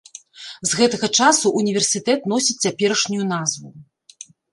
З гэтага часу ўніверсітэт носіць цяперашнюю назву.